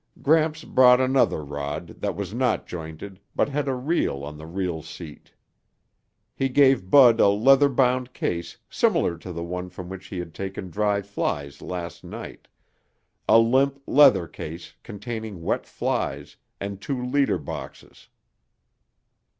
Gramps brought another rod that was not jointed but had a reel on the reel seat. He gave Bud a leather bound case similar to the one from which he'd taken dry flies last night, a limp leather case containing wet flies, and two leader boxes.